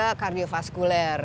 dan juga kardiofaskuler